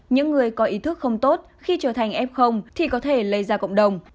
những người có ý thức không tốt khi trở thành f thì có thể lây ra cộng đồng